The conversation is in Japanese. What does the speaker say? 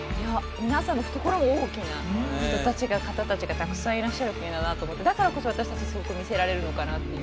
皆さんの懐も大きな方達がたくさんいらっしゃる国だなと思ってだからこそ私達すごく魅せられるのかなっていう